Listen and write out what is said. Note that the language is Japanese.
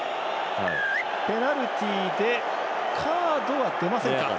ペナルティでカードは出ませんか。